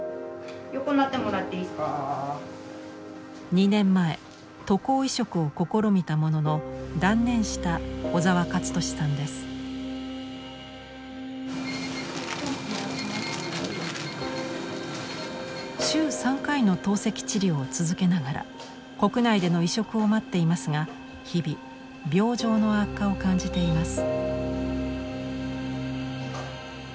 ２年前渡航移植を試みたものの断念した週３回の透析治療を続けながら国内での移植を待っていますが日々病状の悪化を感じています。